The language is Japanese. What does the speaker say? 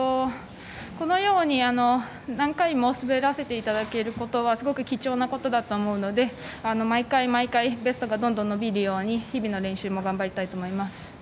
このように、何回も滑らせていただけることはすごく貴重なことだと思うので毎回毎回ベストがどんどん伸びるように日々の練習も頑張りたいと思います。